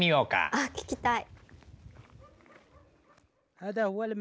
あっ聞きたい。